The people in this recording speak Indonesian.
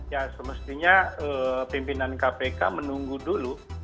ya semestinya pimpinan kpk menunggu dulu